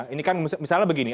ini kan misalnya begini